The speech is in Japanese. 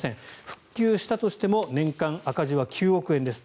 復旧したとしても年間赤字は９億円です。